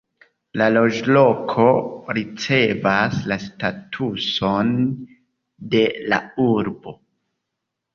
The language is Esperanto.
La loĝloko ricevas la statuson de la urbo.